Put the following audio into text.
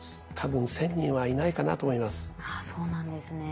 そうなんですね。